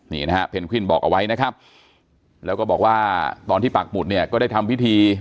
นี่นะฮะเพนกวินบอกเอาไว้นะครับแล้วก็บอกว่าตอนที่ปักหมุดเนี่ยก็ได้ทำพิธี